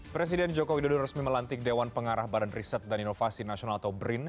presiden joko widodo resmi melantik dewan pengarah badan riset dan inovasi nasional atau brin